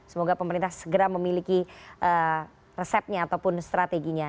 semoga pemerintah segera memiliki resepnya ataupun strateginya